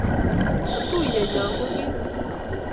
Katuenyo ko kim